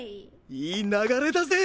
いい流れだぜ！